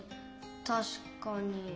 たしかに。